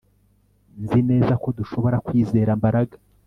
Nzi neza ko dushobora kwizera Mbaraga